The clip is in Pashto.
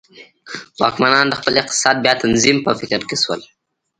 واکمنان د خپل اقتصاد بیا تنظیم په فکر کې شول.